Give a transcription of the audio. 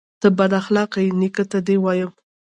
_ته بد اخلاقه يې، نيکه ته دې وايم.